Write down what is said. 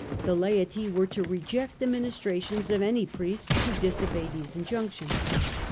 the laity were to reject the ministrations of any priests who disobeyed these injunctions.